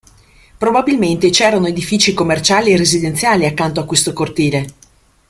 Probabilmente c'erano edifici commerciali e residenziali accanto a questo cortile.